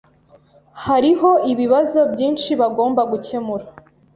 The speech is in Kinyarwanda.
Hariho ibibazo byinshi bagomba gukemura.